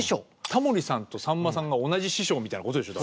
タモリさんとさんまさんが同じ師匠みたいなことでしょ。